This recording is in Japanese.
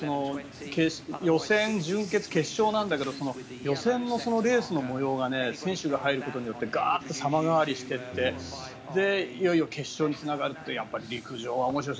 予選、準決、決勝なんだけど予選もそのレースの模様が選手が入ることによってガッと様変わりしていっていよいよ決勝につながるってやっぱり陸上は面白い。